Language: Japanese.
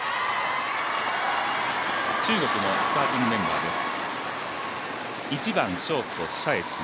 中国のスターティングメンバーです。